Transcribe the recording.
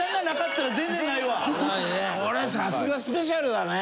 これさすがスペシャルだね。